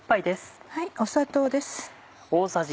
砂糖です。